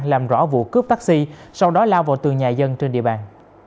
làm rõ vụ cướp taxi sau đó lao vào tường nhà dân trên địa bàn